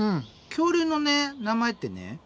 恐竜のね名前ってね○